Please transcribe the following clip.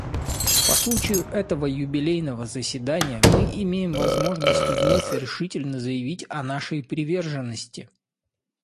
По случаю этого юбилейного заседания мы имеем возможность вновь решительно заявить о нашей приверженности.